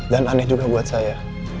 dan aneh juga buat saya